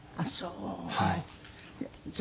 ああそう。